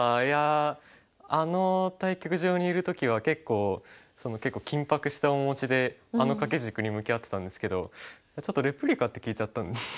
いやあの対局場にいる時は結構緊迫した面持ちであの掛け軸に向き合ってたんですけどちょっとレプリカって聞いちゃったんで。